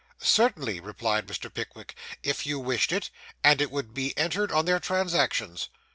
'Certainly,' replied Mr. Pickwick, 'if you wished it; and it would be entered on their transactions.